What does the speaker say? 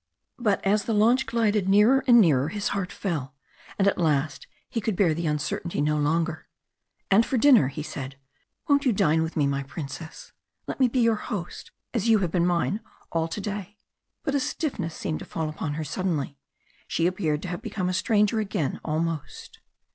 But as the launch glided nearer and nearer his heart fell, and at last he could bear the uncertainty no longer. "And for dinner?" he said. "Won't you dine me, my Princess? Let me be your host, as you have been mine all to day." But a stiffness seemed to fall upon her suddenly she appeared to have become a stranger again almost.